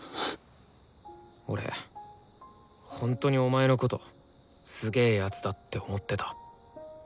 俺ほんとにお前のことすげ奴だって思ってた。